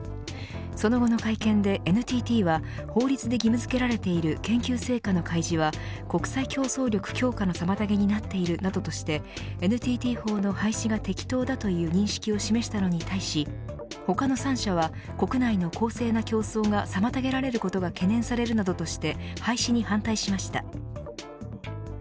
その後の会見で、ＮＴＴは法律で義務付けられている研究成果の開示は国際競争力強化の妨げになっているなどとしてＮＴＴ法の廃止が適当だという認識を示したのに対し他の３社は、国内の公正な競争が妨げられることが懸念されるなどとして廃止に反対しました。